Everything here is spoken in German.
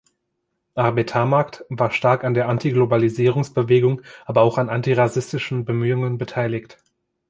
Arbetarmakt war stark an der Antiglobalisierungsbewegung, aber auch an antirassistischen Bemühungen beteiligt.